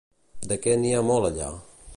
De què n'hi ha molt allà?